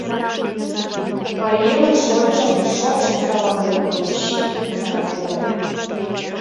— Мариемын шольыжым шокшын саламлем, манеш, — кусара Пӧтыр.